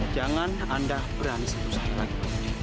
jangan anda berani satu saya lagi